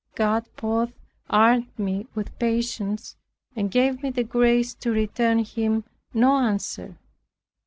God both armed me with patience and gave me the grace to return him no answer.